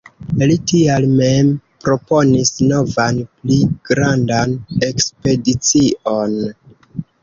Li tial mem proponis novan pli grandan ekspedicion.